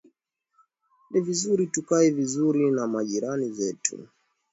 ni vizuri tukae vizuri na majirani zetu